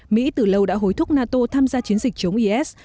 mỹ từ lâu đã hối thúc nato tham gia chiến dịch chống is